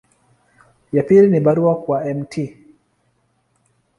Ya pili ni barua kwa Mt.